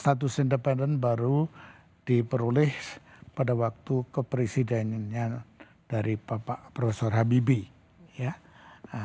status independen baru diperoleh pada waktu kepresidennya dari prof habibie